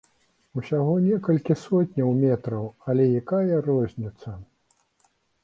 Усяго некалькі сотняў метраў, але якая розніца.